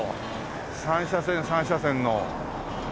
３車線３車線の。